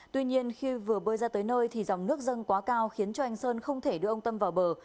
tuy nhiên khi vừa bơi ra tới nơi thì dòng nước dâng quá cao khiến cho anh sơn không thể đưa ông tâm vào bờ